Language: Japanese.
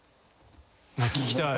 聞きたい。